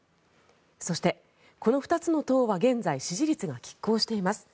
そして、この２つの党は現在支持率がきっ抗しています。